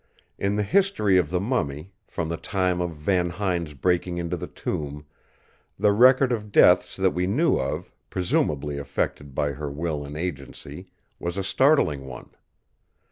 In the history of the mummy, from the time of Van Huyn's breaking into the tomb, the record of deaths that we knew of, presumably effected by her will and agency, was a startling one.